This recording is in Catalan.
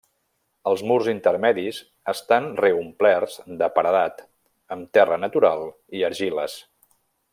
Els murs intermedis estan reomplerts de paredat amb terra natural i argiles.